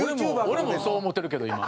俺もそう思ってるけど今。